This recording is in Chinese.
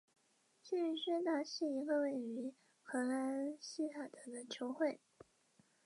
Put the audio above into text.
幸运薛达是一个位于荷兰锡塔德的球会。